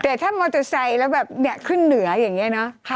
แต่ถ้ามอเตอร์ไซค์แล้วแบบเนี่ยขึ้นเหนืออย่างนี้เนอะ